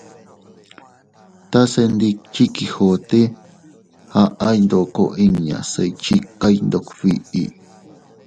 Tase ndikchi Quijote, aʼay ndoko inña se iychikay ndog biʼi.